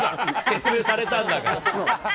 説明されたんだから。